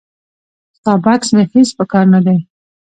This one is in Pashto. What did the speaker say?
ستا بکس مې هیڅ په کار نه دی.